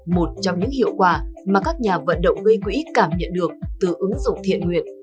một trong những hiệu quả mà các nhà vận động gây quỹ cảm nhận được từ ứng dụng thiện nguyện